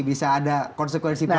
bisa ada konsekuensi politik